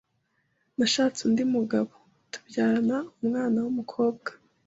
Nashatse undi mugabo, tubyarana umwana w’umukobwa.